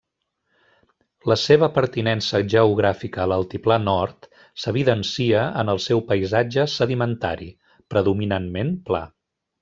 La seva pertinença geogràfica a l'Altiplà Nord s'evidencia en el seu paisatge sedimentari, predominantment pla.